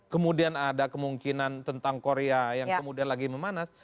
kemudian ada kemungkinan tentang korea yang kemudian lagi memanas